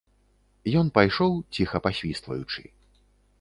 Ён пайшоў, ціха пасвістваючы.